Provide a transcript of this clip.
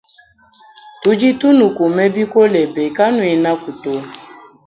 Tudi tunukuma bikole be kanuenaku to.